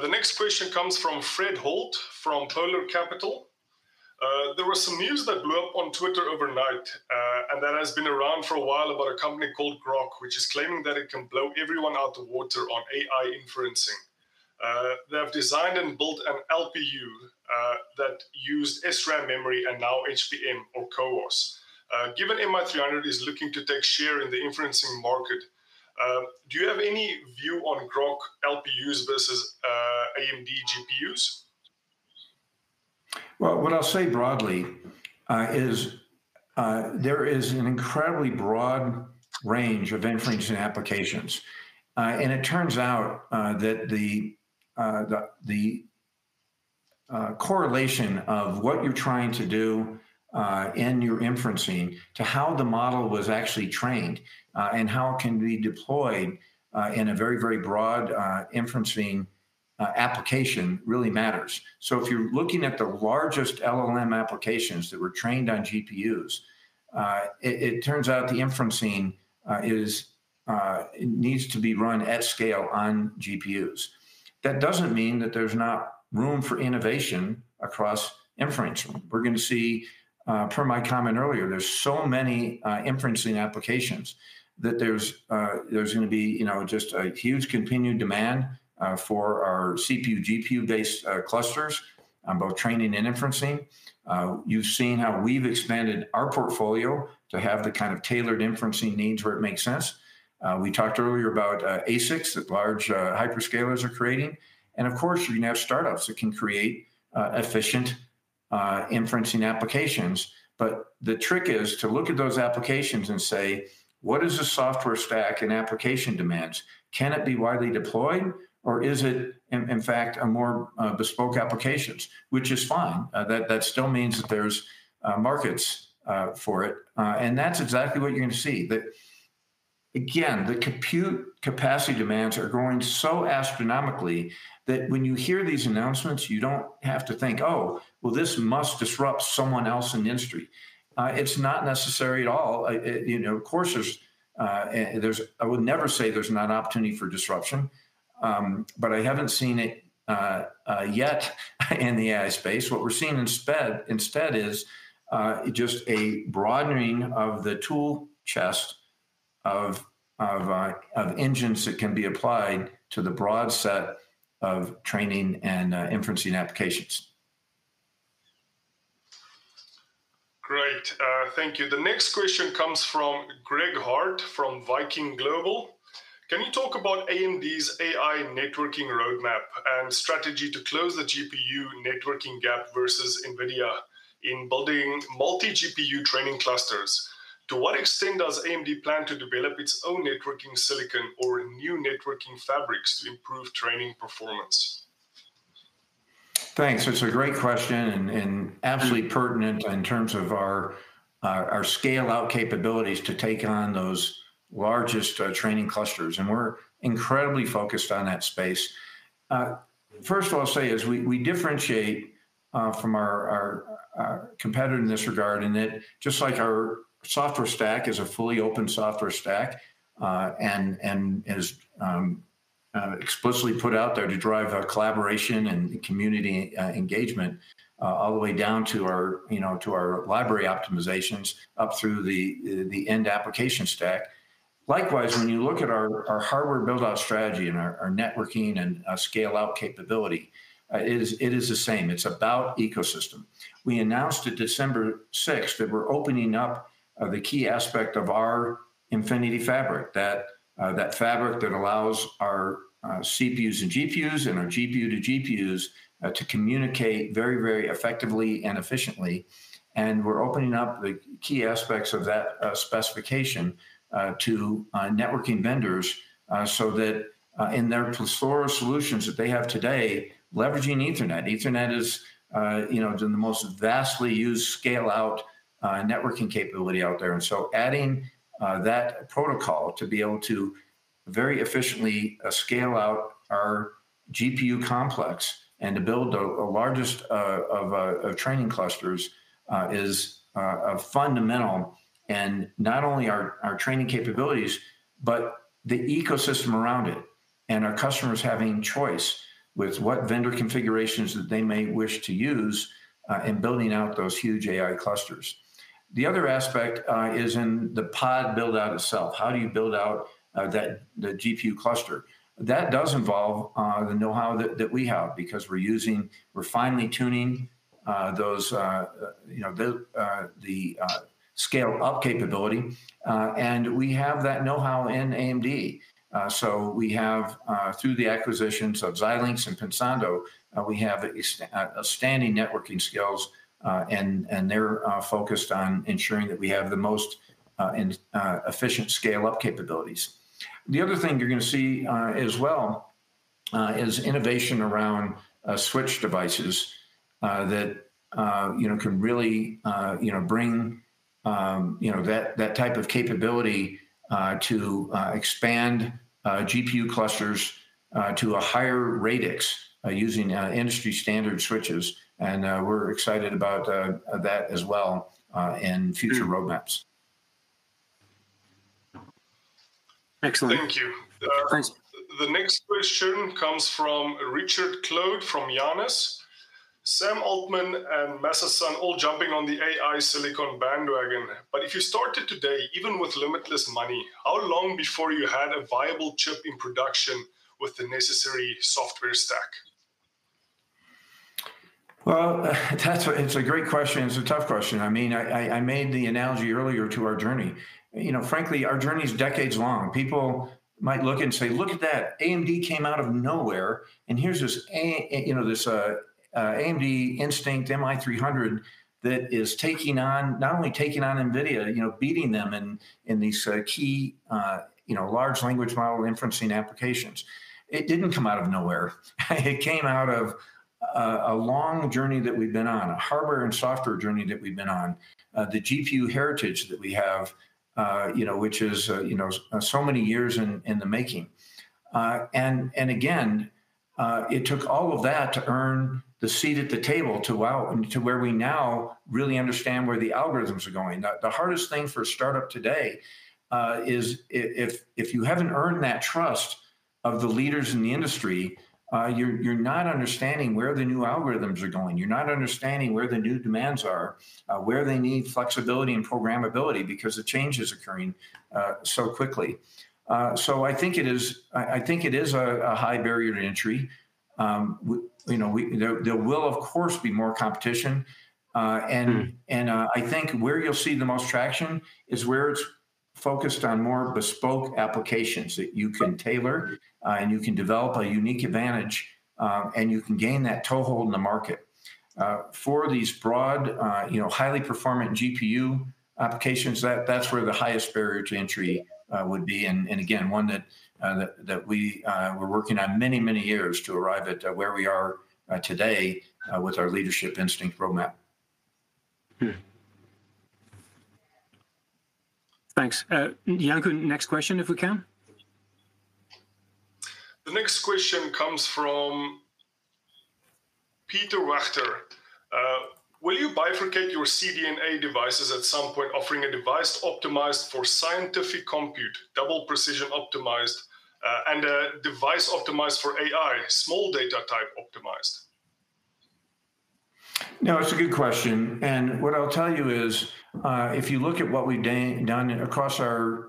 The next question comes from Fred Holt from Polar Capital. There was some news that blew up on Twitter overnight, and that has been around for a while about a company called Groq, which is claiming that it can blow everyone out of the water on AI inferencing. They have designed and built an LPU that used SRAM memory and now HBM or CoWoS. Given MI300 is looking to take share in the inferencing market, do you have any view on Groq LPUs versus AMD GPUs? Well, what I'll say broadly is there is an incredibly broad range of inferencing applications. And it turns out that the correlation of what you're trying to do in your inferencing to how the model was actually trained, and how it can be deployed in a very, very broad inferencing application really matters. So if you're looking at the largest LLM applications that were trained on GPUs, it turns out the inferencing needs to be run at scale on GPUs. That doesn't mean that there's not room for innovation across inferencing. We're gonna see, per my comment earlier, there's so many inferencing applications that there's gonna be, you know, just a huge continued demand for our CPU/GPU-based clusters on both training and inferencing. You've seen how we've expanded our portfolio to have the kind of tailored inferencing needs where it makes sense. We talked earlier about ASICs that large hyperscalers are creating. And of course, you're gonna have startups that can create efficient inferencing applications. But the trick is to look at those applications and say, "What is the software stack and application demands? Can it be widely deployed? Or is it, in fact, a more bespoke applications?" Which is fine. That still means that there's markets for it. And that's exactly what you're gonna see, that again, the compute capacity demands are growing so astronomically that when you hear these announcements, you don't have to think, "Oh, well, this must disrupt someone else in the industry." It's not necessary at all. You know, of course, there's, and I would never say there's not, an opportunity for disruption. But I haven't seen it yet in the AI space. What we're seeing instead is just a broadening of the tool chest of engines that can be applied to the broad set of training and inferencing applications. Great. Thank you. The next question comes from Greg Hart from Viking Global. Can you talk about AMD's AI networking roadmap and strategy to close the GPU networking gap versus NVIDIA in building multi-GPU training clusters? To what extent does AMD plan to develop its own networking silicon or new networking fabrics to improve training performance? Thanks. It's a great question and absolutely pertinent in terms of our scale-out capabilities to take on those largest training clusters. We're incredibly focused on that space. First of all, I'll say we differentiate from our competitor in this regard in that just like our software stack is a fully open software stack, and is explicitly put out there to drive collaboration and community engagement, all the way down to our, you know, to our library optimizations up through the end application stack. Likewise, when you look at our hardware build-out strategy and our networking and scale-out capability, it is the same. It's about ecosystem. We announced at December 6th that we're opening up the key aspect of our Infinity Fabric, that fabric that allows our CPUs and GPUs and our GPUs to GPUs to communicate very, very effectively and efficiently. And we're opening up the key aspects of that specification to networking vendors, so that in their plethora of solutions that they have today, leveraging Ethernet. Ethernet is, you know, the most vastly used scale-out networking capability out there. And so adding that protocol to be able to very efficiently scale out our GPU complex and to build the largest of training clusters is fundamental and not only our training capabilities but the ecosystem around it and our customers having choice with what vendor configurations that they may wish to use in building out those huge AI clusters. The other aspect is in the pod build-out itself. How do you build out the GPU cluster? That does involve the know-how that we have because we're using, we're finely tuning those, you know, the scale-up capability. And we have that know-how in AMD. So we have, through the acquisitions of Xilinx and Pensando, we have excellent outstanding networking skills, and they're focused on ensuring that we have the most efficient scale-up capabilities. The other thing you're gonna see, as well, is innovation around switch devices that, you know, can really, you know, bring, you know, that type of capability to expand GPU clusters to a higher radix, using industry-standard switches. And we're excited about that as well in future roadmaps. Excellent. Thank you. Thanks. The next question comes from Richard Clode from Janus. Sam Altman and Masayoshi Son all jumping on the AI silicon bandwagon. But if you started today, even with limitless money, how long before you had a viable chip in production with the necessary software stack? Well, that's a, it's a great question. It's a tough question. I mean, I made the analogy earlier to our journey. You know, frankly, our journey's decades long. People might look and say, "Look at that. AMD came out of nowhere. And here's this, you know, this, AMD Instinct MI300 that is taking on not only taking on NVIDIA, you know, beating them in, in these, key, you know, large language model inferencing applications." It didn't come out of nowhere. It came out of, a long journey that we've been on, a hardware and software journey that we've been on, the GPU heritage that we have, you know, which is, you know, so many years in, in the making. And again, it took all of that to earn the seat at the table to where we now really understand where the algorithms are going. The hardest thing for a startup today is if you haven't earned that trust of the leaders in the industry, you're not understanding where the new algorithms are going. You're not understanding where the new demands are, where they need flexibility and programmability because the change is occurring so quickly. So I think it is a high barrier to entry. You know, there will, of course, be more competition. And I think where you'll see the most traction is where it's focused on more bespoke applications that you can tailor, and you can develop a unique advantage, and you can gain that toehold in the market. for these broad, you know, highly performant GPU applications, that's where the highest barrier to entry would be. And again, one that we were working on many, many years to arrive at where we are today with our Leadership Instinct roadmap. Thanks. Yanku, next question if we can. The next question comes from Peter [Richter]. Will you bifurcate your CDNA devices at some point offering a device optimized for scientific compute, double precision optimized, and a device optimized for AI, small data type optimized? No, it's a good question. What I'll tell you is, if you look at what we've done across our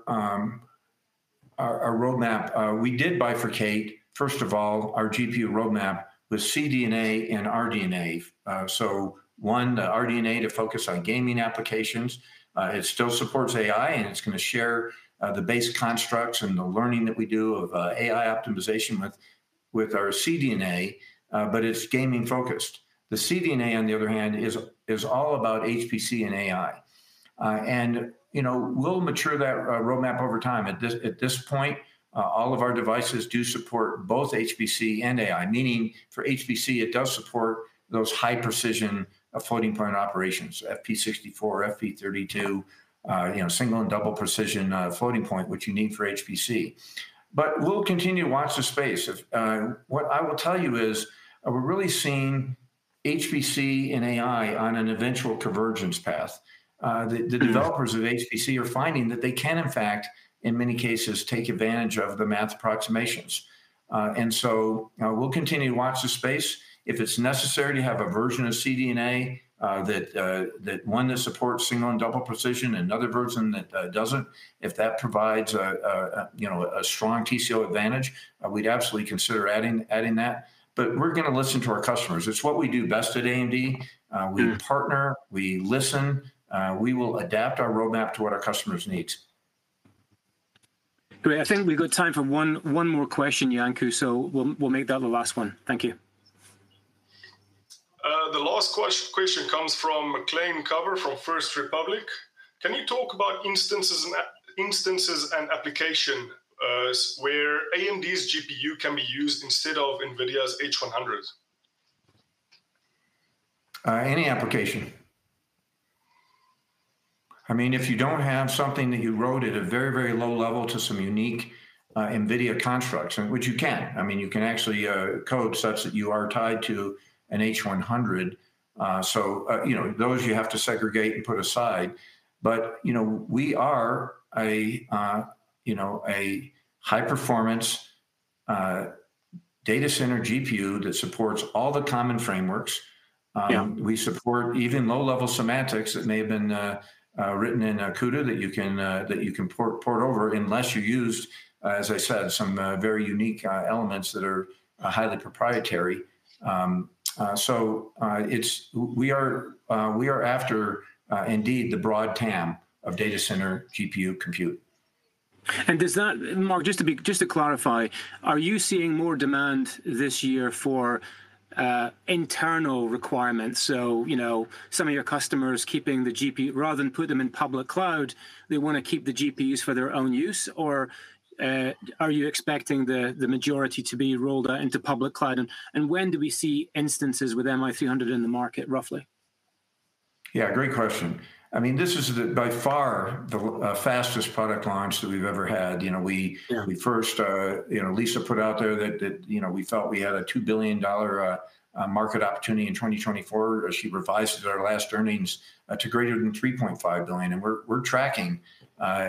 roadmap, we did bifurcate, first of all, our GPU roadmap with CDNA and RDNA. So one, the RDNA to focus on gaming applications. It still supports AI, and it's gonna share the base constructs and the learning that we do of AI optimization with our CDNA, but it's gaming-focused. The CDNA, on the other hand, is all about HPC and AI. You know, we'll mature that roadmap over time. At this point, all of our devices do support both HPC and AI, meaning for HPC, it does support those high-precision floating point operations, FP64, FP32, you know, single and double precision floating point, which you need for HPC. But we'll continue to watch the space. What I will tell you is, we're really seeing HPC and AI on an eventual convergence path. The, the developers of HPC are finding that they can, in fact, in many cases, take advantage of the math approximations. And so, we'll continue to watch the space. If it's necessary to have a version of CDNA, that, that one that supports single and double precision, another version that, doesn't, if that provides a, a, you know, a strong TCO advantage, we'd absolutely consider adding, adding that. But we're gonna listen to our customers. It's what we do best at AMD. We partner. We listen. We will adapt our roadmap to what our customers need. Great. I think we've got time for one, one more question, Yanku. So we'll, we'll make that the last one. Thank you. The last question comes from McLane Cover from First Republic. Can you talk about instances and applications where AMD's GPU can be used instead of NVIDIA's H100? Any application. I mean, if you don't have something that you wrote at a very, very low level to some unique NVIDIA constructs and which you can. I mean, you can actually code such that you are tied to an H100. So, you know, those you have to segregate and put aside. But, you know, we are a, you know, a high-performance data center GPU that supports all the common frameworks. We support even low-level semantics that may have been written in CUDA that you can port over unless you used, as I said, some very unique elements that are highly proprietary. So, we are after, indeed, the broad TAM of data center GPU compute. Does that, Mark, just to clarify, are you seeing more demand this year for internal requirements? So, you know, some of your customers keeping the GPU rather than put them in public cloud, they wanna keep the GPUs for their own use? Or, are you expecting the majority to be rolled out into public cloud? And when do we see instances with MI300 in the market, roughly? Yeah, great question. I mean, this is by far the fastest product launch that we've ever had. You know, we, we first, you know, Lisa put out there that, you know, we felt we had a $2 billion market opportunity in 2024 as she revised our last earnings to greater than $3.5 billion. And we're tracking,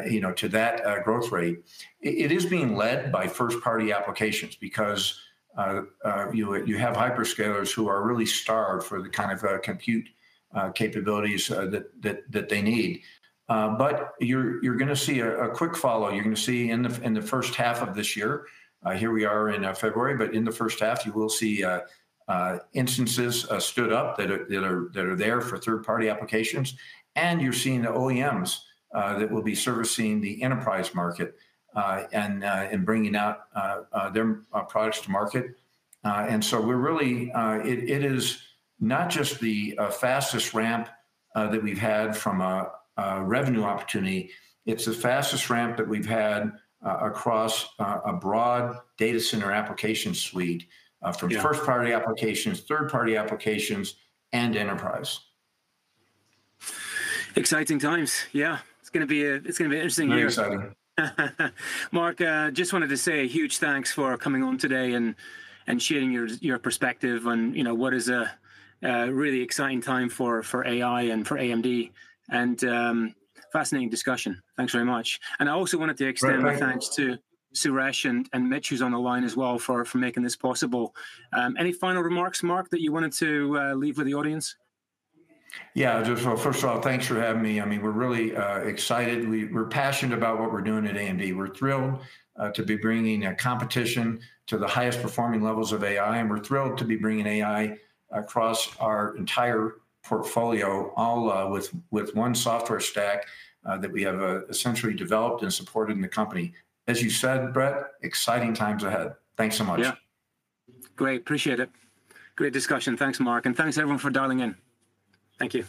you know, to that growth rate. It is being led by first-party applications because you have hyperscalers who are really starved for the kind of compute capabilities that they need. But you're gonna see a quick follow. You're gonna see in the first half of this year—here we are in February. But in the first half, you will see instances stood up that are there for third-party applications. And you're seeing the OEMs that will be servicing the enterprise market and bringing out their products to market. And so we're really, it is not just the fastest ramp that we've had from a revenue opportunity. It's the fastest ramp that we've had across a broad data center application suite from first-party applications, third-party applications, and enterprise. Exciting times. Yeah. It's gonna be an interesting year. Very exciting. Mark, just wanted to say huge thanks for coming on today and sharing your perspective on, you know, what is a really exciting time for AI and for AMD. Fascinating discussion. Thanks very much. And I also wanted to extend my thanks to Suresh and Mitch, who's on the line as well for making this possible. Any final remarks, Mark, that you wanted to leave with the audience? Yeah. Just well, first of all, thanks for having me. I mean, we're really excited. We're passionate about what we're doing at AMD. We're thrilled to be bringing competition to the highest performing levels of AI. And we're thrilled to be bringing AI across our entire portfolio, all with one software stack that we have essentially developed and supported in the company. As you said, Brett, exciting times ahead. Thanks so much. Yeah. Great. Appreciate it. Great discussion. Thanks, Mark. And thanks, everyone, for dialing in. Thank you.